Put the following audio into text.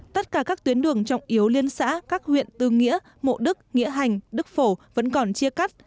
tất cả các tuyến đường trọng yếu liên xã các huyện tư nghĩa mộ đức nghĩa hành đức phổ vẫn còn chia cắt